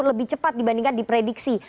lebih cepat dibandingkan diprediksi